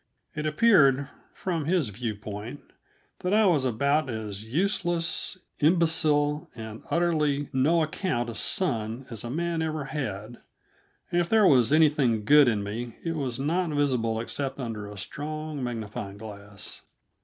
It appeared, from his view point, that I was about as useless, imbecile, and utterly no account a son as a man ever had, and if there was anything good in me it was not visible except under a strong magnifying glass.